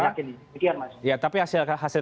ini demikian mas ya tapi hasil